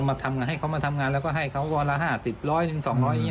มาทำงานให้เขามาทำงานแล้วก็ให้เขาวันละ๕๐ร้อยหนึ่ง๒๐๐อย่างนี้